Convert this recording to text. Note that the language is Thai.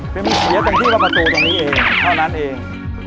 เพราะไม่เสียจังที่ว่าประตูตรงนี้เองเพราะนั้นเอง